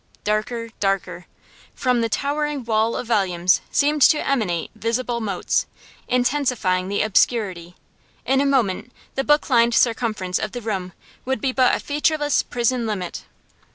Darker, darker. From the towering wall of volumes seemed to emanate visible motes, intensifying the obscurity; in a moment the book lined circumference of the room would be but a featureless prison limit.